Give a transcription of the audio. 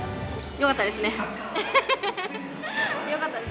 よかったです。